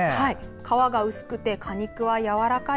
皮が薄くて果肉はやわらかい。